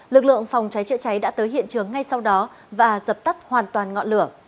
lực lượng phòng cháy chữa cháy đã tới hiện trường ngay sau đó và dập tắt hoàn toàn ngọn lửa